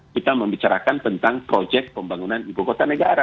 kita membicarakan tentang proyek pembangunan ibu kota negara